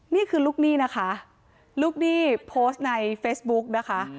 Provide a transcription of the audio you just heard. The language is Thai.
นี่คือลูกหนี้นะคะลูกหนี้โพสต์ในเฟซบุ๊กนะคะ